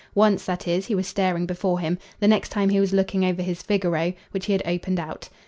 Once, that is, he was staring before him; the next time he was looking over his Figaro, which he had opened out.